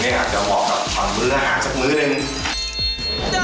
อาจจะเหมาะกับความมื้อหาดจากมื้อหนึ่ง